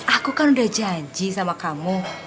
aku kan udah janji sama kamu